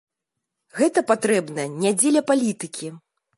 Гэта патрэбна не дзеля палітыкі.